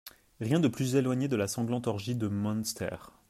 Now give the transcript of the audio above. Rien de plus éloigné de la sanglante orgie de Munster.